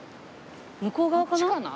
向こう側かな？